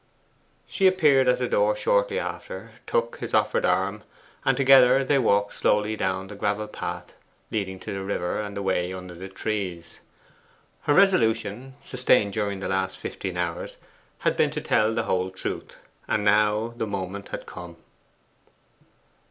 She appeared at the door shortly after, took his offered arm, and together they walked slowly down the gravel path leading to the river and away under the trees. Her resolution, sustained during the last fifteen hours, had been to tell the whole truth, and now the moment had come.